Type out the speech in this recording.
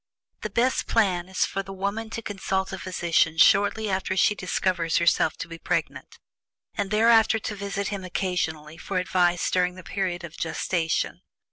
The best plan is for the woman to consult a physician shortly after she discovers herself to be pregnant, and thereafter to visit him occasionally for advice during the period of gestation.